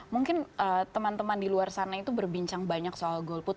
mungkin teman teman di luar sana itu berbincang banyak soal golput